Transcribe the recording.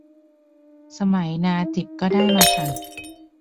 สมัยนาจิบก็ได้มหา